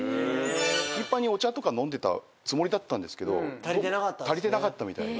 頻繁にお茶とか飲んでたつもりだったんですが足りてなかったみたいで。